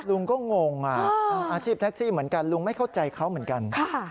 ลุงก็งงอาชีพแท็กซี่เหมือนกันลุงไม่เข้าใจเขาเหมือนกัน